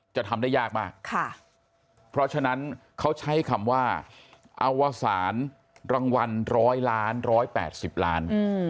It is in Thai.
จะทำได้ยากมากเพราะฉะนั้นเขาใช้คำว่าอวสารรางวัล๑๐๐ล้าน๑๘๐ล้าน